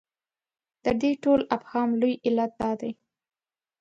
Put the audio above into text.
د دې ټول ابهام لوی علت دا دی.